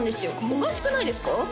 おかしくないですか？